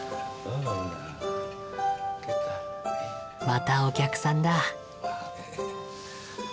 またお客さんだ。